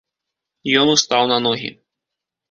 Ён устаў на ногі.